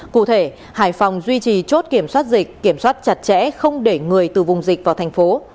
cụ thể hải phòng duy trì chốt kiểm soát dịch kiểm soát chặt chẽ không để người từ vùng dịch vào thành phố